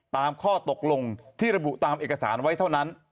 ตามข้อตกลงที่ระบุตามเอกสารไว้เท่านั้น